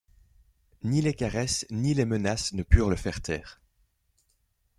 Ni les caresses, ni les menaces ne purent le faire taire.